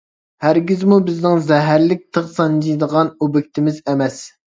ھەرگىزمۇ بىزنىڭ زەھەرلىك تىغ سانجىيدىغان ئوبيېكتىمىز ئەمەس!